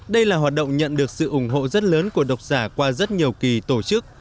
đây là hoạt động nhận được sự ủng hộ rất lớn của độc giả qua rất nhiều kỳ tổ chức